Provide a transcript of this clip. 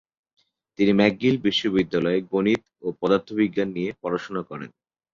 তিনি ম্যাকগিল বিশ্ববিদ্যালয়ে গণিত ও পদার্থবিজ্ঞান নিয়ে পড়াশোনা করেন।